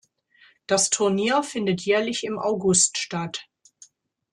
Das Turnier findet jährlich im August statt.